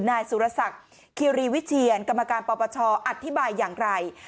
นายสุรศักดิ์คิรีวิเชียนกรรมการปปชอธิบายอย่างไร